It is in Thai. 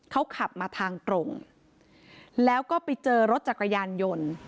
เขาขับมาทางตรงแล้วก็ไปเจอรถจักรยานยนต์